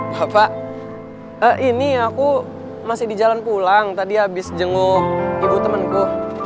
bapak ini aku masih di jalan pulang tadi habis jenguk ibu temanku